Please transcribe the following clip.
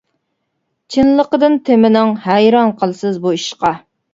چىنلىقىدىن تېمىنىڭ، ھەيران قالىسىز بۇ ئىشقا.